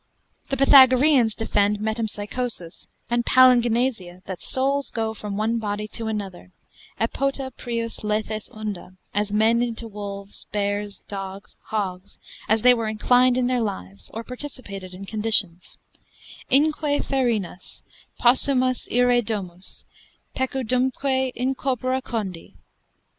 The Pythagoreans defend Metempsychosis; and Palingenesia, that souls go from one body to another, epota prius Lethes unda, as men into wolves, bears, dogs, hogs, as they were inclined in their lives, or participated in conditions: ———inque ferinas Possumus ire domus, pecudumque in corpora condi.